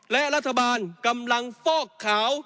และรัฐบาลกำลังฟอกขาว